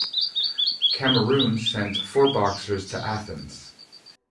Cameroon sent four boxers to Athens.